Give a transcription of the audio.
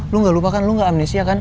lo gak lupa kan lo gak amnesia kan